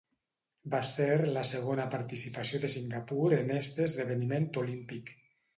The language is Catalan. Va ser la segona participació de Singapur en este esdeveniment olímpic.